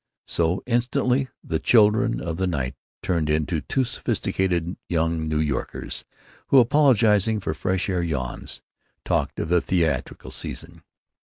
So, instantly, the children of the night turned into two sophisticated young New Yorkers who, apologizing for fresh air yawns, talked of the theatrical season.